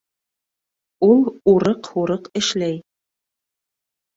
Ул урыҡ-һурыҡ эшләй